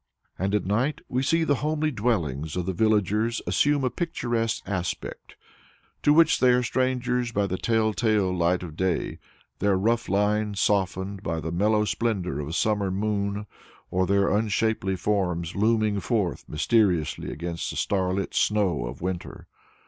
And at night we see the homely dwellings of the villagers assume a picturesque aspect to which they are strangers by the tell tale light of day, their rough lines softened by the mellow splendor of a summer moon, or their unshapely forms looming forth mysteriously against the starlit snow of winter.